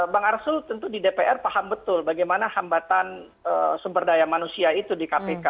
bang arsul tentu di dpr paham betul bagaimana hambatan sumber daya manusia itu di kpk